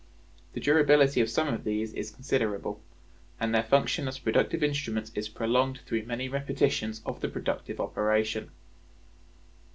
The durability of some of these is considerable, and their function as productive instruments is prolonged through many repetitions of the productive operation.